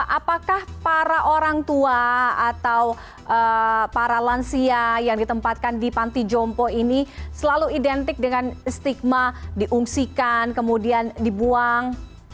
apakah para orang tua atau para lansia yang ditempatkan di panti jompo ini selalu identik dengan stigma diungsikan kemudian dibuang